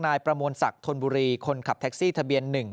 นายประมวลศักดิ์ธนบุรีคนขับแท็กซี่ทะเบียน๑